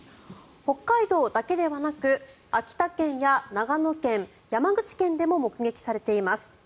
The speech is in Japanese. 北海道だけではなく秋田県や長野県、山口県でも目撃されています。